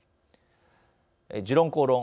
「時論公論」